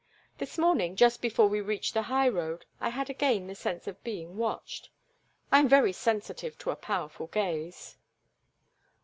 This morning, just before we reached the high road I had again the sense of being watched—I am very sensitive to a powerful gaze."